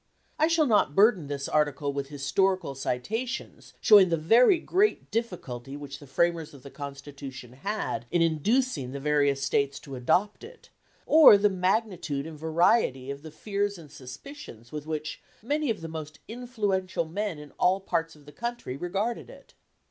I shall not burden this article with historical citations showing the very great difficulty which the framers of the Constitution had in inducing the various States to adopt it, or the magnitude and variety of the fears and suspicions with which, many of the most influential men in all parts of the country regarded it.